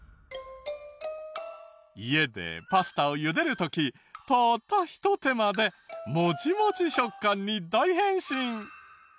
家でパスタを茹でる時たったひと手間でモチモチ食感に大変身！